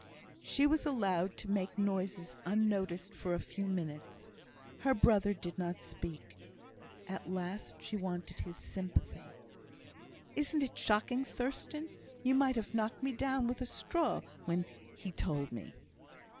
She was allowed to make noises unnoticed for a few minutes. Her brother did not speak. At last she wanted his sympathy. "Isn't it shocking, Thurstan? You might have knocked me down with a straw when he told me."